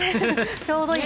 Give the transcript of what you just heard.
ちょうどいい。